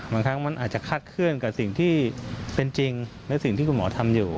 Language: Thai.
บางครั้งมันอาจจะคาดเคลื่อนกับสิ่งที่เป็นจริงและสิ่งที่คุณหมอทำอยู่